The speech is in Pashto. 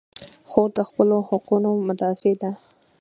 خور د خپلو حقونو مدافع ده.